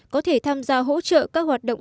có thể tham gia hỗ trợ các hoạt động